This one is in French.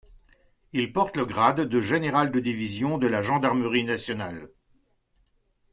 Il porte le grade de général de division de la Gendarmerie nationale.